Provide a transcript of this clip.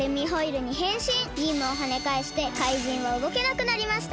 ビームをはねかえして怪人はうごけなくなりました。